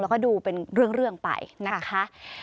แล้วก็ดูเป็นเรื่องไปนะคะ